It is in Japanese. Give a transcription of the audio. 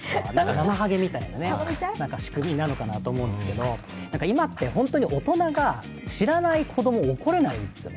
ナマハゲみたいな仕組みなのかなと思うんですけど、今って本当に大人が知らない子供を怒れないですね。